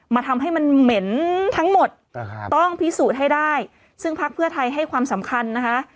ทำให้มันเหม็นทั้งหมดต้องพิสูจน์ให้ได้ซึ่งพักเพื่อไทยให้ความสำคัญนะคะ